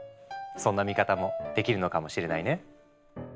そんな見方もできるのかもしれないね。